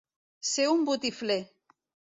Ser un botifler.